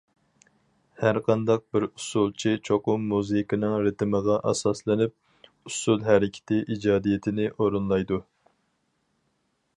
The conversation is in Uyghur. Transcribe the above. ھەر قانداق بىر ئۇسسۇلچى چوقۇم مۇزىكىنىڭ رىتىمىغا ئاساسلىنىپ، ئۇسسۇل ھەرىكىتى ئىجادىيىتىنى ئورۇنلايدۇ.